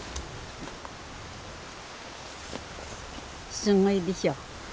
すごいでしょ。